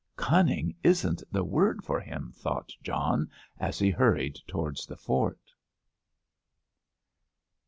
"Cunning isn't the word for him," thought John, as he hurried towards the fort.